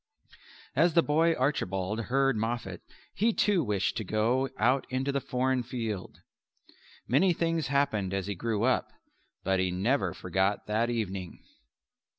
As the boy Archibald heard Moffat he too wished to go out into the foreign field. Many things happened as he grew up; but he never forgot that evening.